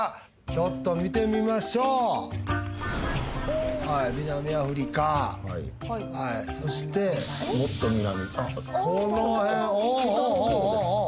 ちょっと見てみましょうはい南アフリカはいそしてもっと南この辺北のほうですか？